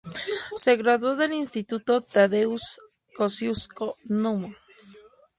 Se graduó del instituto Tadeusz Kościuszko Núm.